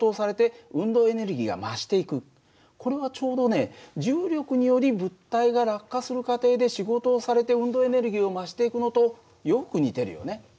ちょうどね重力により物体が落下する過程で仕事をされて運動エネルギーを増していくのとよく似てるよね。